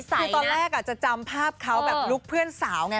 คือตอนแรกจะจำภาพเขาแบบลุคเพื่อนสาวไง